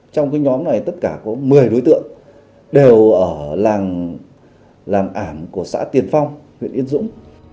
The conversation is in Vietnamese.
trong nhóm này tất cả có một mươi đối tượng đều ở làng ảnh của xã tiền phong huyện yên dũng